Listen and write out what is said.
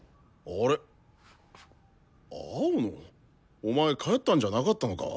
お前帰ったんじゃなかったのか？